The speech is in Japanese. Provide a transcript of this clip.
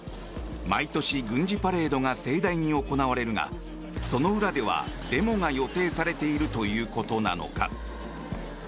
毎年、軍事パレードが盛大に行われるがその裏ではデモが予定されているということなのか。